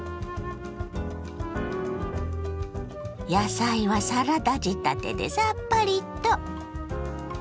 野菜はサラダ仕立てでさっぱりと。